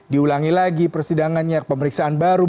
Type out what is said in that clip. diulangi lagi persidangannya pemeriksaan baru